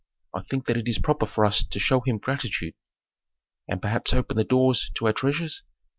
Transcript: I think that it is proper for us to show him gratitude." "And perhaps open the doors to our treasures?"